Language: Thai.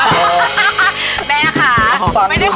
แม่ค่ะไม่ได้ขนไปไหนค่ะ